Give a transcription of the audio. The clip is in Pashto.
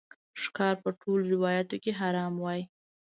ښکار په ټولو روایاتو کې حرام وای